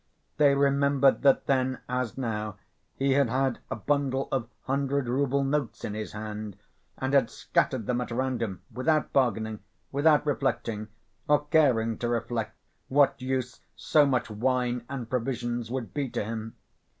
They remembered that then, as now, he had had a bundle of hundred‐rouble notes in his hand, and had scattered them at random, without bargaining, without reflecting, or caring to reflect what use so much wine and provisions would be to him.